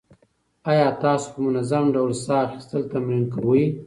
ایا تاسو په منظم ډول ساه اخیستل تمرین کوئ؟